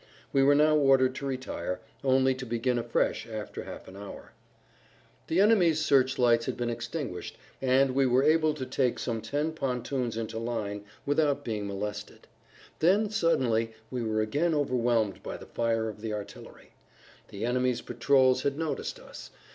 We were now ordered to retire, only to begin afresh after half an hour. The enemy's searchlights had been extinguished, and we were able to take some ten pontoons into line without being molested. Then, suddenly, we were again overwhelmed by the fire of the artillery; the enemy's patrols had noticed us.